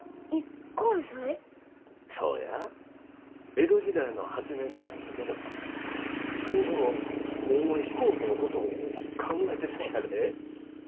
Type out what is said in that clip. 江戸時代の発明家なんやけどそのころもう飛行機のことを考えてたんやで。